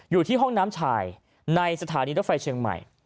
อยู่ที่ห้องน้ำชายในสถานีรถไฟเชียงใหม่